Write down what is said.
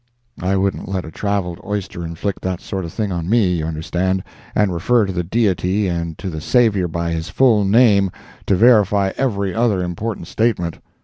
I wouldn't let a traveled oyster inflict that sort of thing on me, you understand, and refer to the Deity, and to the Savior by his full name, to verify every other important statement.